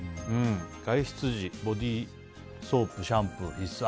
外出時、ボディーソープシャンプー必須。